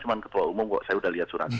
cuma ketua umum saya sudah lihat suratnya